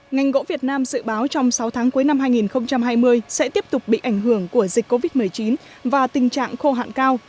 ngành gỗ việt nam dự báo trong sáu tháng cuối năm hai nghìn hai mươi sẽ tiếp tục bị ảnh hưởng của dịch covid một mươi chín và tình trạng khô hạn cao